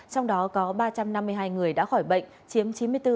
trong đó có ba trăm năm mươi hai người đã khỏi bệnh chiếm chín mươi bốn bốn